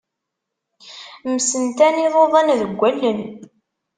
Msentan iḍudan deg allen.